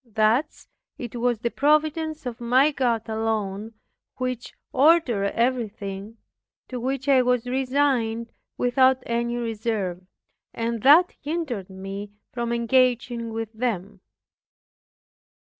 Thus it was the Providence of my God alone, which ordered everything, to which I was resigned without any reserve; and that hindered me from engaging with them.